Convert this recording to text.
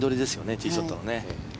ティーショットのね。